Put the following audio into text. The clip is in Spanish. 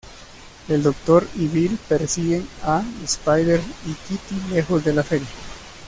El Doctor y Bill persiguen a Spider y Kitty lejos de la feria.